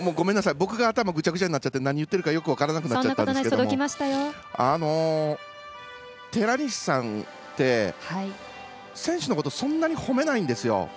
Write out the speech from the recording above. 僕がぐちゃぐちゃになっちゃって何を言ってるかよく分からなくなっちゃったんですが寺西さんって、選手のことそんなに褒めないんですよ。